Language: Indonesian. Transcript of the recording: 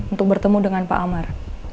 untuk bertemu dengan pak amar